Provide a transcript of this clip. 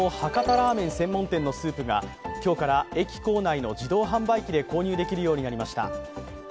ラーメン専門店のスープが今日から駅構内の自動販売機で購入できるようになりました。